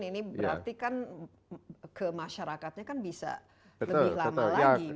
ini berarti kan kemasyarakatnya kan bisa lebih lama lagi